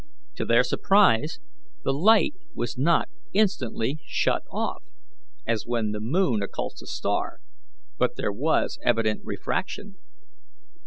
To their surprise, the light was not instantly shut off, as when the moon occults a star, but there was evident refraction.